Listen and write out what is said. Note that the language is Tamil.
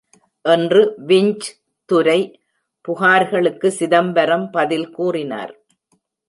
என்று விஞ்ச் துரை புகார்களுக்கு சிதம்பரம் பதில் கூறினார்.